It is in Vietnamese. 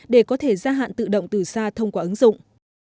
để có thể gia hạn tự động từ xa thông qua ứng dụng